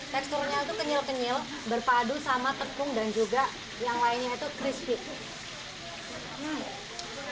teksturnya itu kenyal kenyil berpadu sama tepung dan juga yang lainnya itu crispy